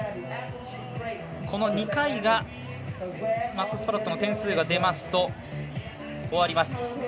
２回がマックス・パロットの点数が出ますと終わります。